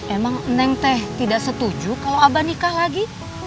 emang neng teh tidak setuju kalau abah nikah lagi